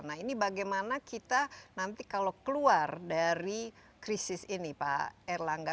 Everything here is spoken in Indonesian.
nah ini bagaimana kita nanti kalau keluar dari krisis ini pak erlangga